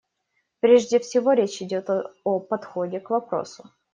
Прежде всего речь идет о подходе к вопросу.